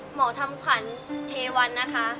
หมอทำขวัญเทวันนะคะ